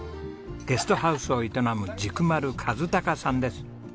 ゲストハウスを営む軸丸和崇さんです。